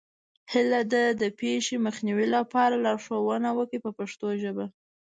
هیله ده د پېښې مخنیوي لپاره لارښوونه وکړئ په پښتو ژبه.